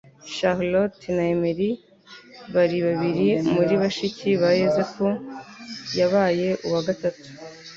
Charlotte na Emily Bari babiri Muri Bashiki ba Yozefu yabaye uwa gatatu